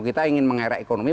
kita ingin mengerek ekonomi